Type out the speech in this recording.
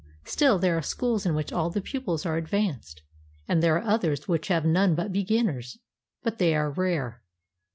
Still there are schools in which all the pupils are advanced; and there are others which have none but beginners. But they are rare.